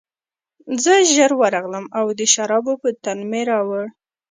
زه ژر ورغلم او د شرابو بوتل مې راوړ